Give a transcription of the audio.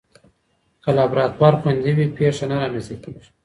که لابراتوار خوندي وي، پېښه نه رامنځته کېږي.